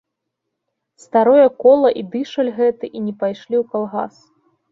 Старое кола і дышаль гэты і не пайшлі ў калгас.